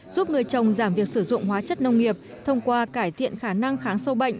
giúp người chồng giảm việc sử dụng hóa chất nông nghiệp thông qua cải thiện khả năng kháng sâu bệnh